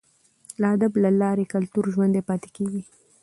د ادب له لارې کلتور ژوندی پاتې کیږي.